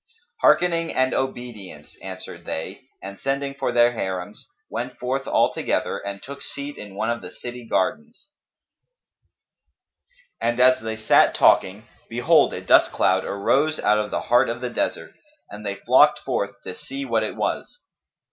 "Hearkening and obedience," answered they and, sending for their Harims, went forth all together and took seat in one of the city gardens; and as they sat talking, behold, a dust cloud arose out of the heart of the desert, and they flocked forth to see what it was.